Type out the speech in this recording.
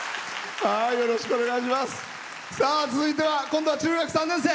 続いては今度は中学３年生。